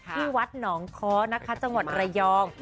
ที่วัดหนองค้อนะคะจังหวัดระยอง